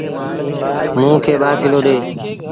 موݩ کي ٻآ ڪلو ڏي۔